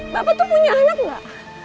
bapak tuh punya anak nggak